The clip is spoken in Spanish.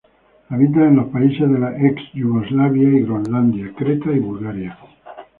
Habita en los países de la ex Yugoslavia y Groenlandia, Creta y Bulgaria.